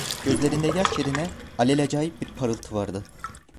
Gözlerinde yaş yerine alelacayip bir parıltı vardı.